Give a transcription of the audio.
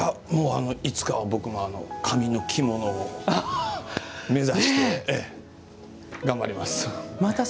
いつかは僕も紙の着物を目指して頑張ります。